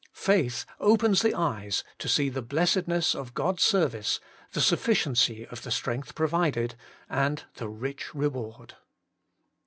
Faith opens the eyes to see the blessedness of God's service, the sufficiency of the strength provided, and the rich reward.